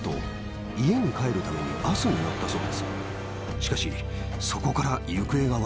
しかし。